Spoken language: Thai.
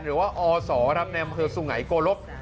หรือว่าอศรำแนนอำเภอสุไหงโกรศ